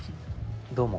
どうも。